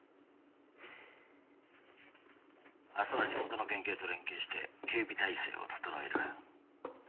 明日は地元の県警と連携して警備体制を整える。